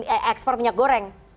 ekspor minyak goreng